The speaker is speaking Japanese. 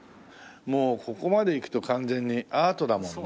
もうここまでいくと完全にアートだもんね